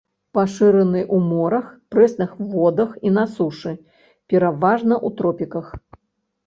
Пашыраны ў морах, прэсных водах і на сушы, пераважна ў тропіках.